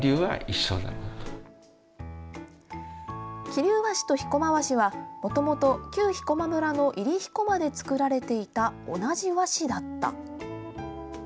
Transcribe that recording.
桐生和紙と飛駒和紙はもともと、旧飛駒村の入飛駒で作られていた同じ和紙だった。